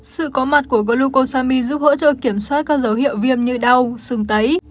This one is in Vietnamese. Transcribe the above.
sự có mặt của glucosamine giúp hỗ trợ kiểm soát các dấu hiệu viêm như đau sương tấy